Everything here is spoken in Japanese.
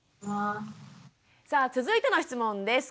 さあ続いての質問です。